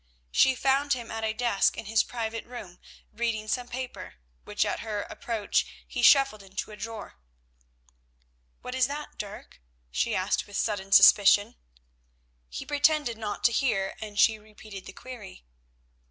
She found him at a desk in his private room reading some paper, which at her approach he shuffled into a drawer. "What is that, Dirk?" she asked with sudden suspicion. He pretended not to hear, and she repeated the query.